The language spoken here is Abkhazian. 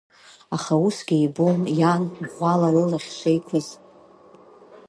Аха усгьы ибон иан ӷәӷәала лылахь шеиқәыз.